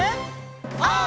オー！